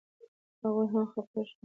هغوی هم خپه شول.